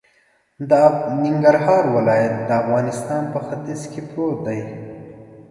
د ننګرهار ولایت د افغانستان په ختیځ کی پروت دی